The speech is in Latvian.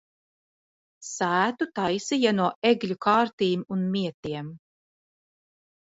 Sētu taisīja no egļu kārtīm un mietiem.